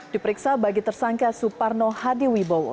diperiksa bagi tersangka suparno hadi wibowo